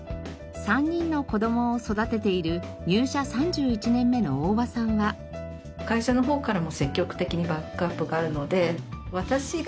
３人の子どもを育てている入社３１年目の大場さんは？男性社員の感想は？